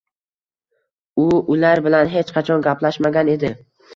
U ular bilan hech qachon gaplashmagan edi